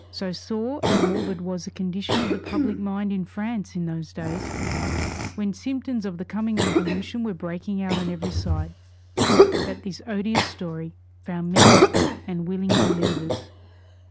So sore and morbid was the condition of the public mind in France in those days, when symptoms of the coming Revolution were breaking out on every side, that this odious story found many and willing believers.